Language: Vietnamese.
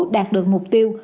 đạt được mục tiêu